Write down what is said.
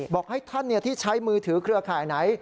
บอกให้ท่านที่ใช้มือถือเครือข่ายไหน